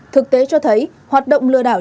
thực tế cho thấy hoạt động lừa đảo